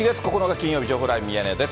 金曜日、情報ライブミヤネ屋です。